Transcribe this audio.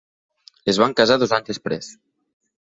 Es van casar dos anys després.